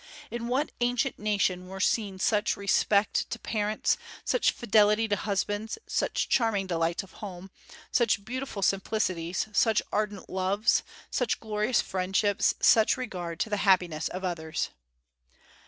In what ancient nation were seen such respect to parents, such fidelity to husbands, such charming delights of home, such beautiful simplicities, such ardent loves, such glorious friendships, such regard to the happiness of others!